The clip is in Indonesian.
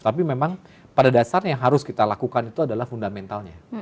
tapi memang pada dasarnya yang harus kita lakukan itu adalah fundamentalnya